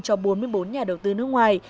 cho bốn mươi bốn nhà đầu tư nước ngoài